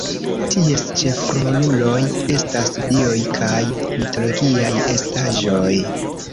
Ties ĉefroluloj estas dioj kaj mitologiaj estaĵoj.